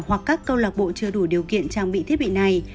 hoặc các câu lạc bộ chưa đủ điều kiện trang bị thiết bị này